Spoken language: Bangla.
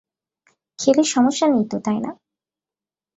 খেলে সমস্যা নেই তো, তাই না?